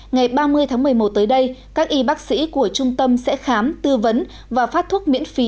ngày ba mươi tháng một mươi một tới đây các y bác sĩ của trung tâm sẽ khám tư vấn và phát thuốc miễn phí